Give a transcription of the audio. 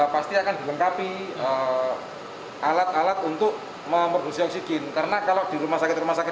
pasti akan dilengkapi alat alat untuk memproduksi oksigen karena kalau di rumah sakit rumah sakit